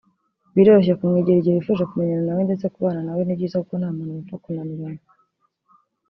Biroroshye kumwegera igihe wifuje kumenyana nawe ndetse kubana nawe ni byiza kuko nta muntu bapfa kunaniranwa